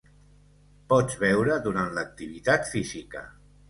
Pots beure durant l’activitat física.